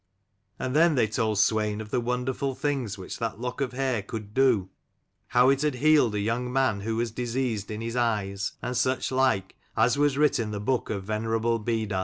And then they told Swein of the wonderful things which that lock of hair could do : how it had healed a young man who was diseased in his eyes, and such like, as was writ in the book of venerable Beda.